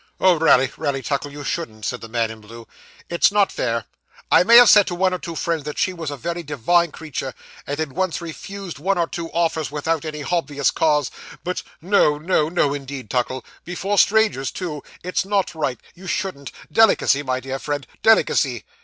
'Oh, raly, raly, Tuckle, you shouldn't,' said the man in blue. 'It's not fair. I may have said to one or two friends that she wos a very divine creechure, and had refused one or two offers without any hobvus cause, but no, no, no, indeed, Tuckle before strangers, too it's not right you shouldn't. Delicacy, my dear friend, delicacy!